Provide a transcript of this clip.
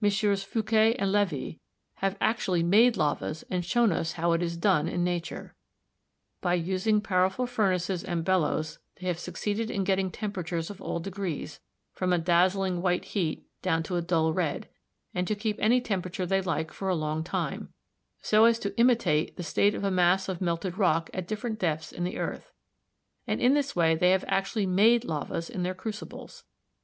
Fouqué and Levy, have actually made lavas and shown us how it is done in Nature. By using powerful furnaces and bellows they have succeeded in getting temperatures of all degrees, from a dazzling white heat down to a dull red, and to keep any temperature they like for a long time, so as to imitate the state of a mass of melted rock at different depths in the earth, and in this way they have actually made lavas in their crucibles.